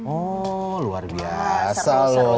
oh luar biasa loh